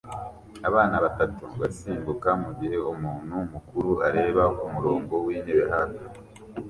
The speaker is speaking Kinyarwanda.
Abana batatu basimbuka mugihe umuntu mukuru areba kumurongo wintebe hafi